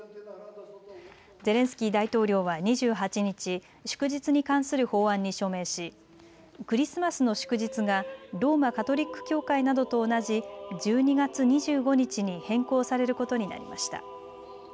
ゼレンスキー大統領は２８日、祝日に関する法案に署名しクリスマスの祝日がローマ・カトリック教会などと同じ１２月２５日に変更されることになりました。